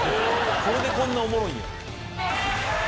これでこんなおもろいんや。